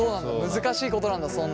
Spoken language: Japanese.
難しいことなんだそんな。